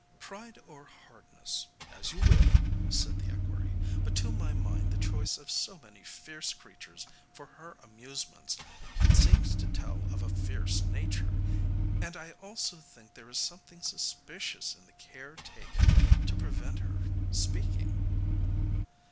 'Pride or hardness, as you will,' said the equerry; 'but to my mind the choice of so many fierce creatures for her amusements seems to tell of a fierce nature, and I also think there is something suspicious in the care taken to prevent her speaking.